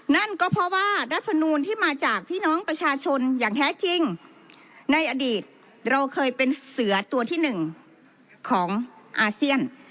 นั่นก็เพราะว่ารัฐมนูลที่มาจากพี่น้องประชาชนอย่างแท้จริงในอดีตเราเคยเป็นเสือตัวที่หนึ่งของอาเซียน